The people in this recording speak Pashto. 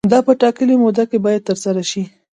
دا په ټاکلې موده کې باید ترسره شي.